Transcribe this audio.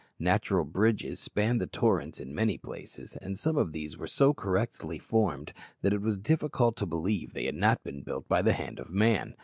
Natural bridges spanned the torrents in many places, and some of these were so correctly formed that it was difficult to believe they had not been built by the hand of man.